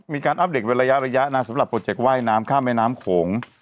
อัปเดตเป็นระยะนะสำหรับโปรเจคว่ายน้ำข้ามแม่น้ำโขง